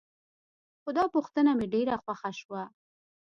خو دا پوښتنه مې ډېره خوښه شوه.